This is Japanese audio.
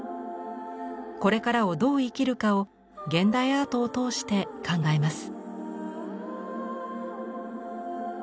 これからをどう生きるかを現代アートを通して考えます。